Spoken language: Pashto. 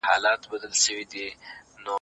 زموږ هیواد ابادۍ او سوکالۍ ته اړتیا لري.